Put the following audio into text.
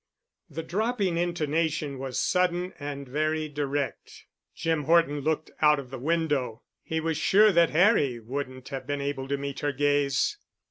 The dropping intonation was sudden and very direct. Jim Horton looked out of the window. He was sure that Harry wouldn't have been able to meet her gaze.